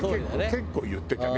結構言ってたね